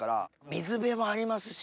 水辺もありますし。